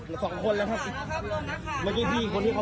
ไม่ต้องครับทำไม่ต้องทำที่ไปดีกว่า